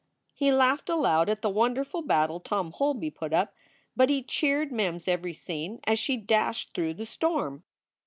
He laughed aloud at the wonderful battle Tom Holby put up, but he cheered Mem s every scene as she dashed through the storm.